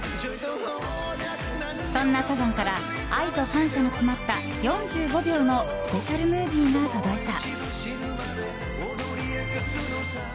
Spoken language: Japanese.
そんなサザンから愛と感謝の詰まった４５秒のスペシャルムービーが届いた。